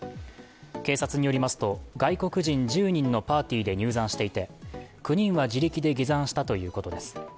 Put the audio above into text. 警察によりますと、外国人１０人のパーティーで入山していて９人は自力で下山したということです。